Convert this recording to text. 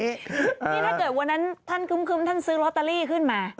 นี่ถ้าเกิดวันนั้นท่านคึ้มท่านซื้อลอตเตอรี่ขึ้นมา